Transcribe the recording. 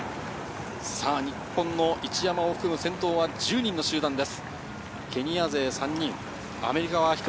日本の一山を含む先頭は１０人の集団です。